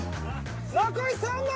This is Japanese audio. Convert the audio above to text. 残り３問。